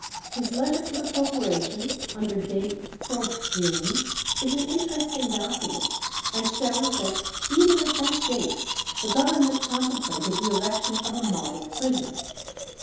His letter to the Corporation, under date 4th June, is an interesting document, and shows that even at that date the Government contemplated the erection of a model prison.